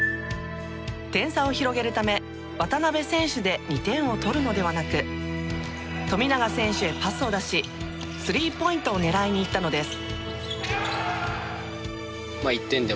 点差を広げるため渡邊選手で２点を取るのではなく富永選手へパスを出しスリーポイントを狙いにいったのです。